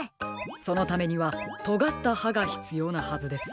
そのためにはとがったはがひつようなはずです。